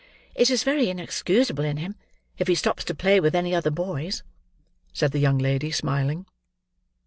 "It is very inexcusable in him if he stops to play with any other boys," said the young lady, smiling.